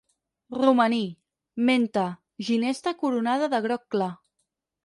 Romaní, menta, ginesta coronada de groc clar.